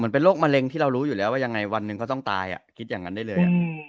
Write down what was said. เป็นโรคมะเร็งที่เรารู้อยู่แล้วว่ายังไงวันหนึ่งเขาต้องตายคิดอย่างนั้นได้เลย